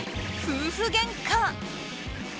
夫婦げんか。